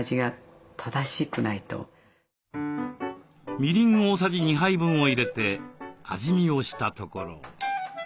みりん大さじ２杯分を入れて味見をしたところ。